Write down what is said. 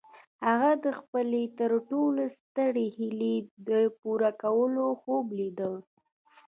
هغه د خپلې تر ټولو سترې هيلې د پوره کولو خوب ليده.